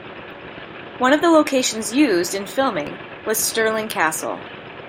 One of the locations used in filming was Stirling Castle.